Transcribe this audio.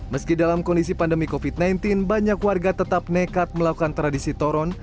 meski dalam kondisi pandemi covid sembilan belas banyak warga tetap nekat melakukan tradisi toron